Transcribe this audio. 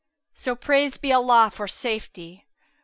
So praised be Allah for safety!"